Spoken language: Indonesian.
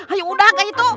ayo udah ke itu